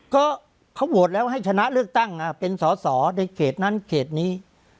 ก็เขาโหวตแล้วให้ชนะเลือกตั้งเป็นสอสอในเขตนั้นเขตนี้